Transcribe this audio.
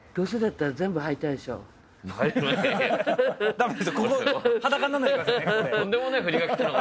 ダメですよ